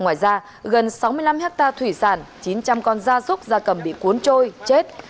ngoài ra gần sáu mươi năm hectare thủy sản chín trăm linh con da súc da cầm bị cuốn trôi chết